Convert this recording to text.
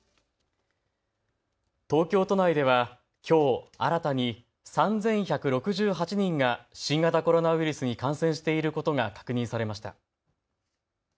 東京都内ではきょう新たに３１６８人が新型コロナウイルスに感染していることが確認されました。